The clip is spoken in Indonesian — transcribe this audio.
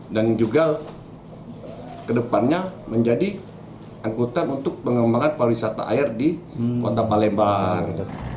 dan juga kedepannya menjadi angkutan untuk pengembangan pariwisata air di kota palembang